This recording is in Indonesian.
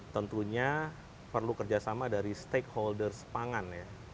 tentunya perlu kerjasama dari stakeholders pangan ya